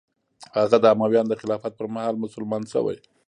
هغه د امویانو د خلافت پر مهال مسلمان شوی.